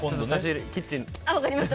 分かりました。